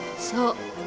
そう。